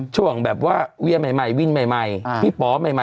ช่วงแบบว่าเวียใหม่วินใหม่พี่ป๋อใหม่